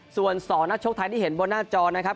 ส่วน๒นักชกไทยที่เห็นบนหน้าจอนะครับ